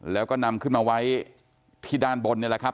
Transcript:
แล้วก็นำขึ้นมาไว้ที่ด้านบนนี่แหละครับ